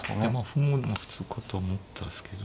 歩まあ普通かとは思ったっすけど。